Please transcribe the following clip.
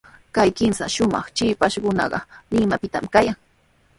Kay kimsa shumaq shipashkunaqa Limapitami kayan.